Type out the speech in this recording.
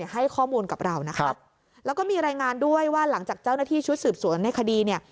ให้ข้อมูลกับเรานะครับแล้วก็มีรายงานด้วยว่าหลังจากเจ้าหน้าที่ชุดสืบสวนในคดีเนี่ย